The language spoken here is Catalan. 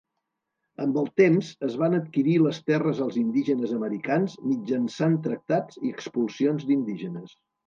Amb el temps, es van adquirir les terres als indígenes americans mitjançant tractats i expulsions d'indígenes.